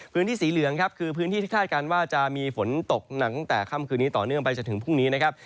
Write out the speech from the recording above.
พื้นที่สีเหลืองครับคือพื้นที่ที่คาดการณ์ว่าจะมีฝนตกหนักตั้งแต่ค่ำคืนนี้ต่อเนื่องไปจนถึงพรุ่งนี้นะครับ